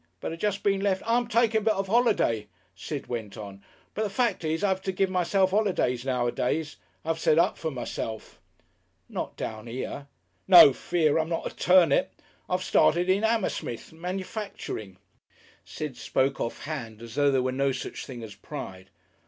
But I just been lef' " "I'm taking a bit of a holiday," Sid went on. "But the fact is, I have to give myself holidays nowadays. I've set up for myself." "Not down here?" "No fear! I'm not a turnip. I've started in Hammersmith, manufacturing." Sid spoke offhand as though there was no such thing as pride.